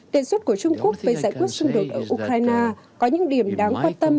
tên suất của trung quốc về giải quyết xung đột ở ukraine có những điểm đáng quan tâm